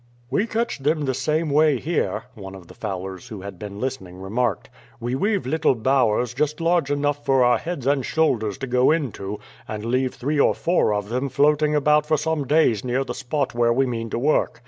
"We catch them the same way here," one of the fowlers who had been listening remarked. "We weave little bowers just large enough for our heads and shoulders to go into, and leave three or four of them floating about for some days near the spot where we mean to work.